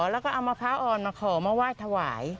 แล้วก็เอามะพร้าวอ่อนมาขอมาไหว้ถวาย